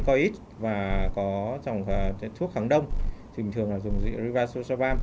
đấy là dòng thuốc kháng virus